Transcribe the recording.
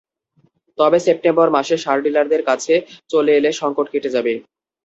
তবে সেপ্টেম্বর মাসের সার ডিলারদের কাছে চলে এলে সংকট কেটে যাবে।